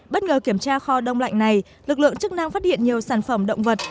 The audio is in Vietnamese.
bất ngờ kiểm tra kho đông lạnh này lực lượng chức năng phát hiện nhiều sản phẩm động vật